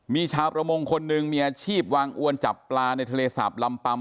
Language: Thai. มีชาวประมงคนหนึ่งมีอาชีพวางอวนจับปลาในทะเลสาบลำปัม